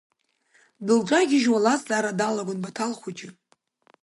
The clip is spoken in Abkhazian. Дылҿагьежьуа лазҵаара далагон Баҭал хәыҷы.